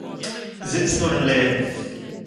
זיץ נאר און לערן